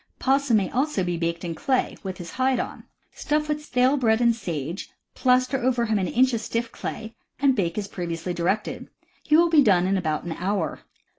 Possum may also be baked in clay, with his hide on. Stuff with stale bread and sage, plaster over him an inch of stiff clay, and bake as previously directed. He will be done in about an hour.